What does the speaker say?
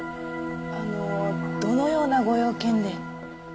あのどのようなご用件で？